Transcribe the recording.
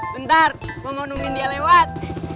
bentar gue mau numbin dia lewat